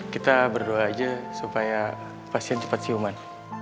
kita berdoa aja supaya pasien cepat siuman